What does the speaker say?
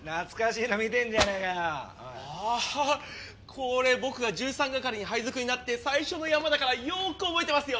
これ僕が１３係に配属になって最初のヤマだからよく覚えてますよ！